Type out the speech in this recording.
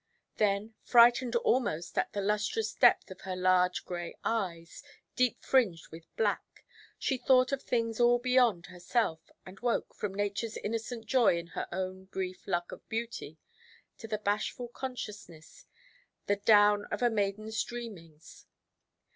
Then, frightened almost at the lustrous depth of her large grey eyes, deep–fringed with black, she thought of things all beyond herself, and woke, from Natureʼs innocent joy in her own brief luck of beauty, to the bashful consciousness, the down of a maidenʼs dreamings.